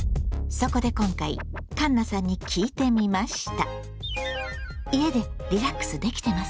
そこで今回かんなさんに聞いてみました。